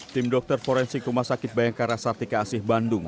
tim dokter forensik rumah sakit bayangkara sartika asih bandung